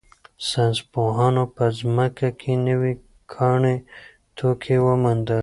ساینس پوهانو په ځمکه کې نوي کاني توکي وموندل.